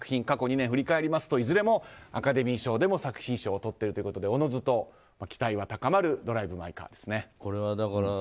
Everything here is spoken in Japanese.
過去２年振り返りますといずれもアカデミー賞でも作品賞をとっているということで自ずと期待は高まる「ドライブ・マイ・カー」です。